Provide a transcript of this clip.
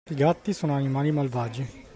I gatti sono animali malvagi.